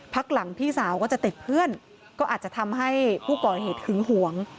พักหลังพี่สาวก็จะติดเพื่อนก็อาจจะทำให้ผู้ก่อเหตุหึงหวง